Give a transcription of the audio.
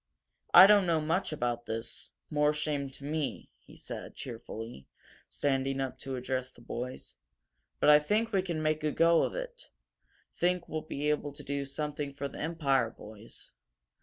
"I don't know much about this more shame to me," he said, cheerfully, standing up to address the boys. "But I think we can make a go of it think we'll be able to do something for the Empire, boys.